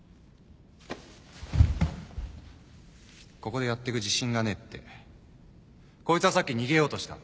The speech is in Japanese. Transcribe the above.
ここでやってく自信がねえってこいつはさっき逃げようとした